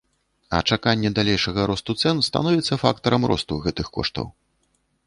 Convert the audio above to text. А чаканне далейшага росту цэн становіцца фактарам росту гэтых коштаў.